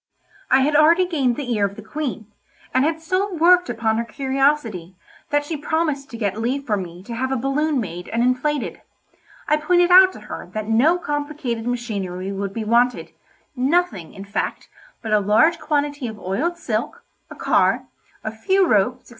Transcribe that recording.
I had already gained the ear of the Queen, and had so worked upon her curiosity that she promised to get leave for me to have a balloon made and inflated; I pointed out to her that no complicated machinery would be wanted—nothing, in fact, but a large quantity of oiled silk, a car, a few ropes, &c.